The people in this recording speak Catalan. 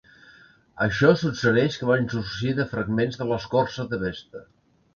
Això suggereix que van sorgir de fragments de l'escorça de Vesta.